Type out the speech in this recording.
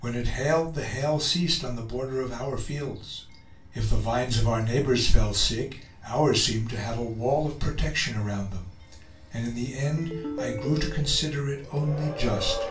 When it hailed the hail ceased on the border of our fields. If the vines of our neighbors fell sick, ours seemed to have a wall of protection around them. And in the end I grew to consider it only just.